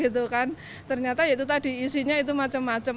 ternyata ya itu tadi isinya itu macam macam